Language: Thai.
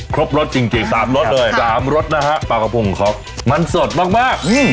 ครบรสจริงจริงสามรสเลยสามรสนะฮะปลากระพงของเขามันสดมากมากอืม